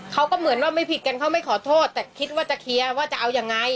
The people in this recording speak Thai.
เขาก็เหมือนว่าไม่ผิดกันเขาไม่ขอโทษแต่คิดว่าจะเคลียร์ว่าจะเอายังไง